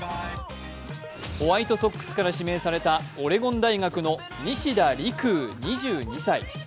ホワイトソックスから指名されたオレゴン大学の西田陸浮２２歳。